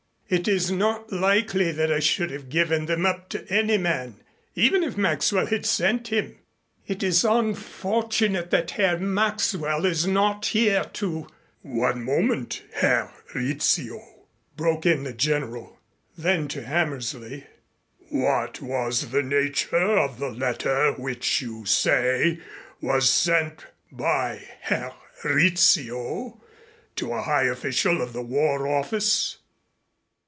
It is not likely that I should have given them up to any man, even if Maxwell had sent him." "It is unfortunate that Herr Maxwell is not here to " "One moment, Herr Rizzio," broke in the General. Then to Hammersley, "What was the nature of the letter which you say was sent by Herr Rizzio to a high official of the War Office?"